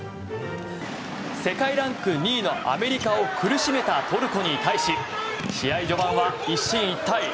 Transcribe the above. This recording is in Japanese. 世界ランク２位のアメリカを苦しめたトルコに対し試合序盤は一進一退。